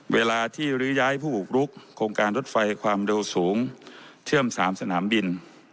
เวลาที่รื้อย้ายผู้บุกรุกโครงการรถไฟความเร็วสูงเชื่อม๓สนามบิน